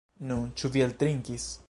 Nu, ĉu vi eltrinkis?